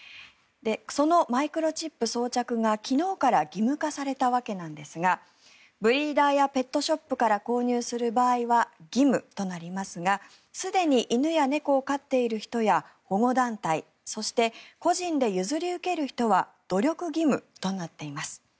そのマイクロチップ装着が昨日から義務化されたわけですがブリーダーやペットショップから購入する場合は義務となりますがすでに犬や猫を飼っている人や保護団体そして個人で譲り受ける人は努力義務となっています。